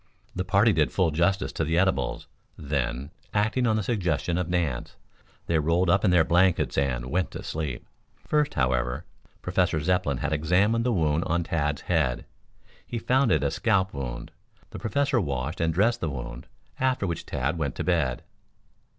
The party did full justice to the edibles, then, acting on the suggestion of Nance, they rolled up in their blankets and went to sleep. First, however, Professor Zepplin had examined the wound in Tad's head. He found it a scalp wound. The Professor washed and dressed the wound, after which Tad went to bed.